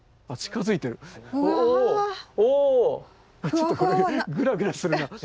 ちょっとこれグラグラする。